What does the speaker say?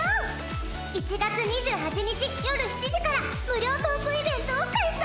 １月２８日よる７時から無料トークイベントを開催。